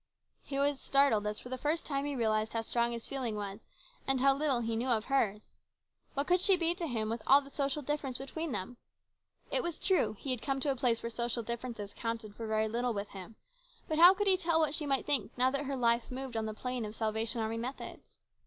He was startled as for the first time he realised how strong his feeling was and how little he knew of hers. What could she be to him with all the social difference between them ? It is true he had come to a place where social differences counted for very little with him, but how could he tell what she might think now that her life moved on the plane of Salvation Army methods